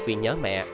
vì nhớ mẹ